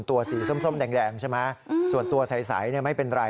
ตัวสีส้มแดงใช่ไหมส่วนตัวใสไม่เป็นไร